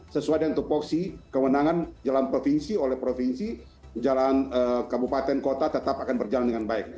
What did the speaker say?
sesuai dengan tupoksi kewenangan jalan provinsi oleh provinsi jalan kabupaten kota tetap akan berjalan dengan baik